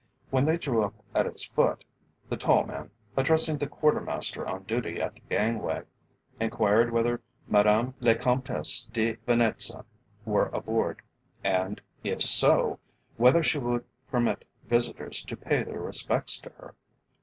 When they drew up at its foot, the tall man, addressing the quartermaster on duty at the gangway, enquired whether Madame la Comtesse de Venetza were aboard, and, if so, whether she would permit visitors to pay their respects to her.